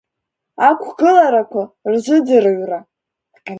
Ақәгыларақәа рзыӡырҩра.